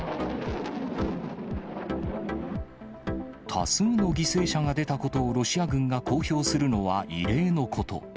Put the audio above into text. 多数の犠牲者が出たことを、ロシア軍が公表するのは異例のこと。